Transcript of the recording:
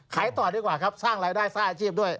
ขายต่อดีกว่าครับสร้างรายได้สร้างอาชีพด้วย